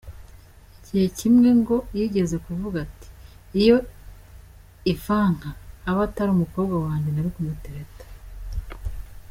Igihe kimwe ngo yigeze kuvuga ati “Iyo Ivanka aba atari umukobwa wanjye nari kumutereta”.